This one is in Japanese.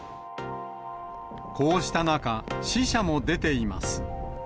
こうした中、死者も出ています。